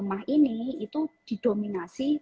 mah ini itu didominasi